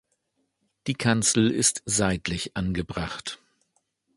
Die Kanzel ist seitlich angebracht.